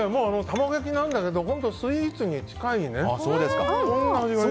卵焼きなんだけど本当、スイーツに近いね。